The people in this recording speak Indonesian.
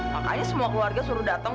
makanya semua keluarga suruh datang